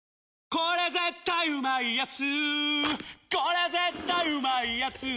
これ絶対うまいやつ」